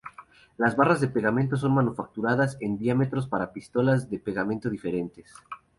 Las barras de pegamento son manufacturadas en varios diámetros para pistolas de pegamento diferentes.